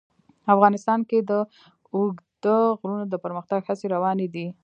افغانستان کې د اوږده غرونه د پرمختګ هڅې روانې دي.